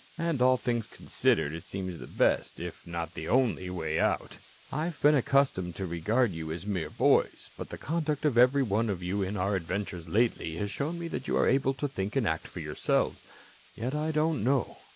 And, all things considered, it seems the best if not the only way out. "I have been accustomed to regard you as mere boys, but the conduct of every one of you in our adventures lately shows me you are able to think and act for yourselves. Yet I don't know.